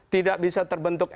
tidak bisa terbentuk